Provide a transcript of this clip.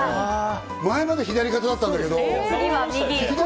前まで左肩だったんだけど。